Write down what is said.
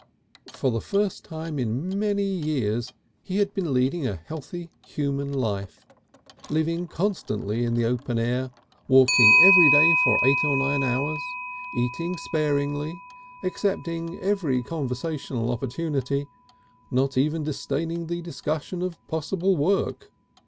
For the first time in many years he had been leading a healthy human life, living constantly in the open air, walking every day for eight or nine hours, eating sparingly, accepting every conversational opportunity, not even disdaining the discussion of possible work.